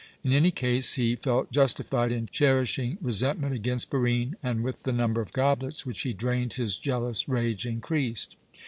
In any case, he felt justified in cherishing resentment against Barine, and with the number of goblets which he drained his jealous rage increased.